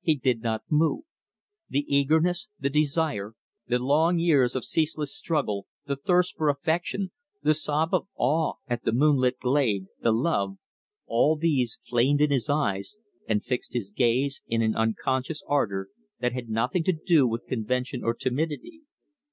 He did not move. The eagerness, the desire, the long years of ceaseless struggle, the thirst for affection, the sob of awe at the moonlit glade, the love, all these flamed in his eyes and fixed his gaze in an unconscious ardor that had nothing to do with convention or timidity.